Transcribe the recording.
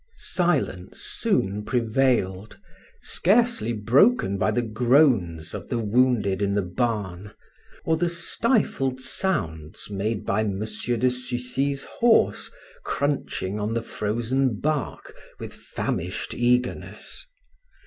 Silence soon prevailed, scarcely broken by the groans of the wounded in the barn, or the stifled sounds made by M. de Sucy's horse crunching on the frozen bark with famished eagerness.